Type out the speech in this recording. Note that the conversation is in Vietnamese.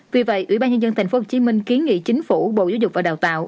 vì vậy ủy ban nhân dân tp hcm kiến nghị chính phủ bộ giáo dục và đào tạo